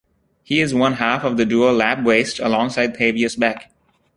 He is one half of the duo Lab Waste alongside Thavius Beck.